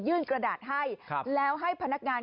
กระดาษให้แล้วให้พนักงาน